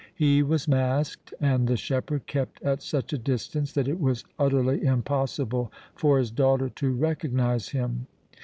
He was masked and the shepherd kept at such a distance that it was utterly impossible for his daughter to recognize him.